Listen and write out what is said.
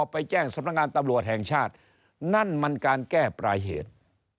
ไปแจ้งสำนักงานตำรวจแห่งชาตินั่นมันการแก้ปลายเหตุ